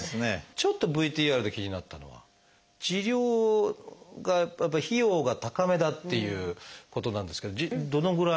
ちょっとＶＴＲで気になったのは治療がやっぱ費用が高めだっていうことなんですけどどのぐらい治療費は？